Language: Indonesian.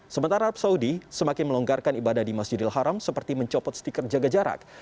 sementara arab saudi semakin melonggarkan ibadah di masjidil haram seperti mencopot stiker jaga jarak